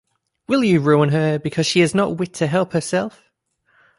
Will you ruin her, because she has not wit to help herself?